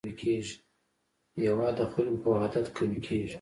هېواد د خلکو په وحدت قوي کېږي.